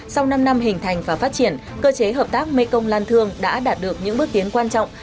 sau năm năm hình thành và phát triển cơ chế hợp tác mekong lan thương đã đạt được những bước tiến quan trọng